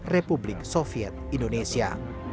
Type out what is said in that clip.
republik soviet indonesia